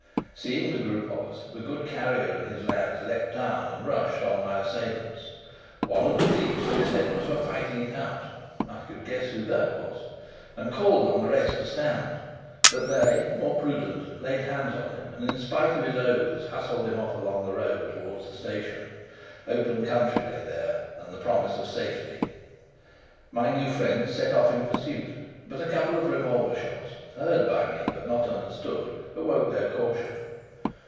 Seeing the group of us, the good carrier and his lads leapt down and rushed on my assailants. One of the thieves, they said, was for fighting it out I could guess who that was and called on the rest to stand; but they, more prudent, laid hands on him, and, in spite of his oaths, hustled him off along the road towards the station. Open country lay there and the promise of safety. My new friends set off in pursuit; but a couple of revolver shots, heard by me, but not understood, awoke their caution.